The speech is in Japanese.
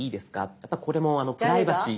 やっぱこれもプライバシー。